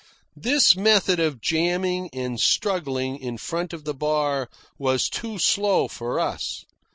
This method of jamming and struggling in front of the bar was too slow for us.